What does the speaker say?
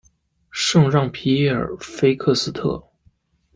圣让皮耶尔菲克斯特。